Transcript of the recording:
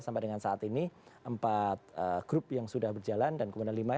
sampai dengan saat ini empat grup yang sudah berjalan dan kemudian lima